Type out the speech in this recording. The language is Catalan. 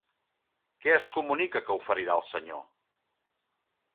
Què es comunica que oferirà el Senyor?